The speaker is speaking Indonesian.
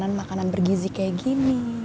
makanan makanan bergizi kayak gini